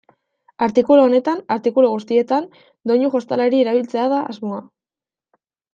Artikulu honetan, artikulu guztietan, doinu jostalari erabiltzea da asmoa.